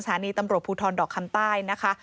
สถานีตำรวจภูทรดอกคำใต้นะคะ